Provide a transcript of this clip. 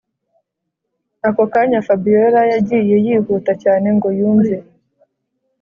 ako kanya fabiora yagiye yihuta cyane ngo yumve